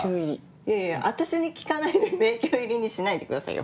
いやいや私に聞かないで迷宮入りにしないでくださいよ。